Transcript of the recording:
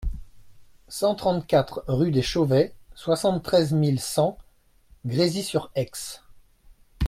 cent trente-quatre rue des Chauvets, soixante-treize mille cent Grésy-sur-Aix